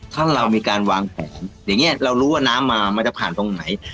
ถ้าเรามีการวางแผนอย่างนี้เรารู้ว่าน้ำมามันจะผ่านตรงไหน